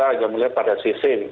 kita mulai pada sisi